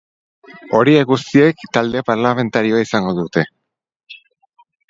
Horiek guztiek talde parlamentarioa izango dute.